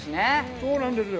そうなんですよ。